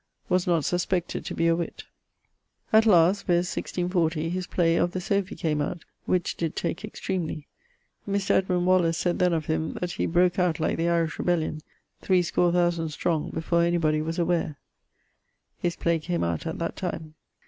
Was not suspected to be a witt. At last, viz. 1640, his play of The Sophy came out, which did take extremely: Mr. Edmund Waller sayd then of him, that he broke out like the Irish Rebellion[LXI.] threescore thousand strong, before any body was aware. [LXI.] His play came out at that time.